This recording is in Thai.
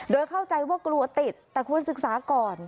โดยเข้าใจว่ากลัวติดแต่ควรศึกษาก่อน